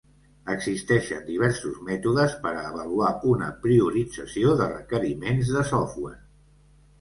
Existeixen diversos mètodes per a avaluar una priorització de requeriments de software.